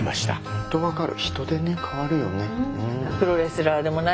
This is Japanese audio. ほんと分かる。